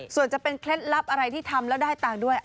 ส่วนจะเป็นเคล็ดลับอะไรที่ทำแล้วได้ตังค์ด้วย